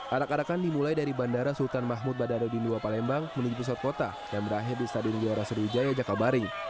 arak arakan dimulai dari bandara sultan mahmud badarudin ii palembang menuju pusat kota yang berakhir di stadion gelora sriwijaya jakabaring